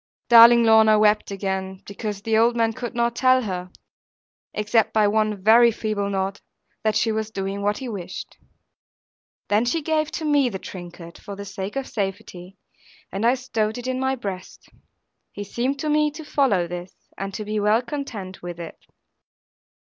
Darling Lorna wept again, because the old man could not tell her (except by one very feeble nod) that she was doing what he wished. Then she gave to me the trinket, for the sake of safety; and I stowed it in my breast. He seemed to me to follow this, and to be well content with it.